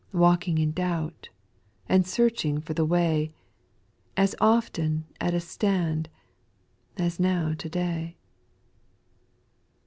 Walking in doubt and searching for the way, And often at a stand, as now to day.